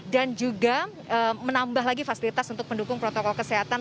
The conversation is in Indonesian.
dan juga menambah lagi fasilitas untuk mendukung protokol kesehatan